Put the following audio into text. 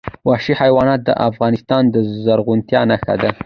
وحشي حیوانات د افغانستان د زرغونتیا نښه ده.